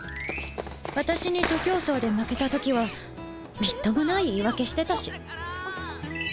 私に徒競走で負けた時はみっともない言い訳してたし今朝足をくじいたから！